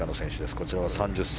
こちらは３０歳。